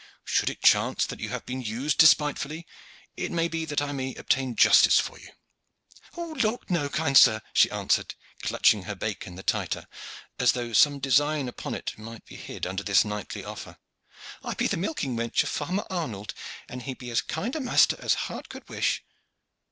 Should it chance that you have been used despitefully, it may be that I may obtain justice for you." "Lawk no, kind sir," she answered, clutching her bacon the tighter, as though some design upon it might be hid under this knightly offer. "I be the milking wench o' fairmer Arnold, and he be as kind a maister as heart could wish."